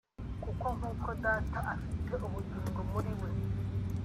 « kuko nk’uko Data afite ubugingo muri we